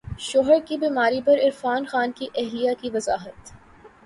شوہر کی بیماری پر عرفان خان کی اہلیہ کی وضاحت